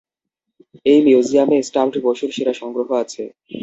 এই মিউজিয়ামে স্টাফড পশুর সেরা সংগ্রহ আছে!